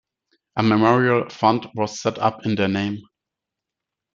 A memorial fund was set up in their name.